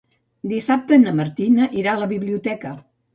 Dissabte na Martina irà a la biblioteca.